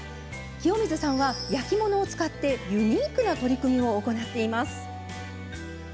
清水さんは焼き物を使ってユニークな取り組みを行っています。